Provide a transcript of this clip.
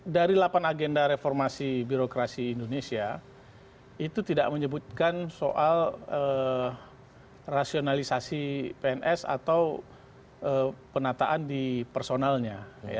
dari delapan agenda reformasi birokrasi indonesia itu tidak menyebutkan soal rasionalisasi pns atau penataan di personalnya